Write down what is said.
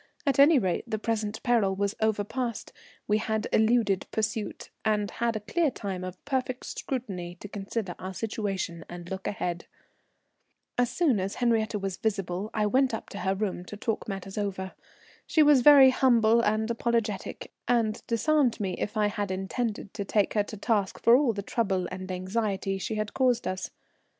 At any rate the present peril was overpast, we had eluded pursuit, and had a clear time of perfect security to consider our situation and look ahead. As soon as Henriette was visible, I went up to her room to talk matters over. She was very humble and apologetic, and disarmed me if I had intended to take her to task for all the trouble and anxiety she had caused us.